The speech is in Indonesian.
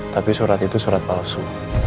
tapi surat itu surat palsu